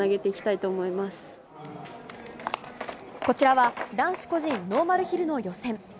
こちらは男子個人ノーマルヒルの予選。